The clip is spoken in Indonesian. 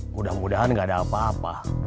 mudah mudahan gak ada apa apa